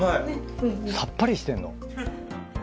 さっぱりしてるの？